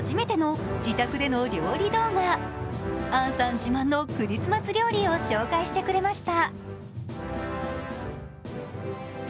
自慢のクリスマス料理を紹介してくれました。